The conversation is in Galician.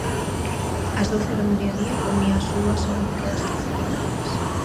Ás doce do mediodía comía as uvas ao ritmo das doce badaladas.